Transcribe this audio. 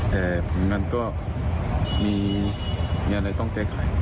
แต่มันก็มีอะไรต้องแก้ไข